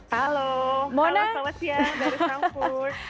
halo selamat siang dari frankfurt